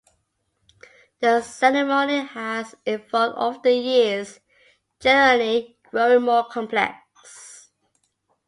The ceremony has evolved over the years, generally growing more complex.